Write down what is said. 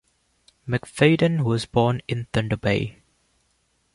McFadden was born in Thunder Bay.